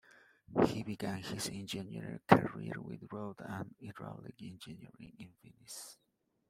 He began his engineering career with road and hydraulic engineering in Venice.